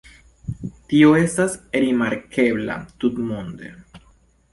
Tio estas rimarkebla tutmonde.